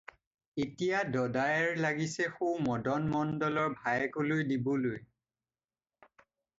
এতিয়া দদায়েৰ লাগিছে সৌ মদন মণ্ডলৰ ভায়েকলৈ দিবলৈ।